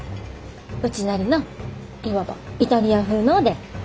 うちなりのいわばイタリア風のおでん。